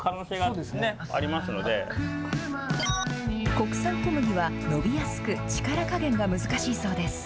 国産小麦は伸びやすく力加減が難しいそうです。